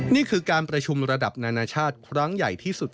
นี่คือการประชุมระดับนานาชาติครั้งใหญ่ที่สุด